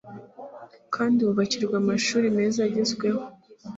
kandi wubakirwa amashuri meza agezweho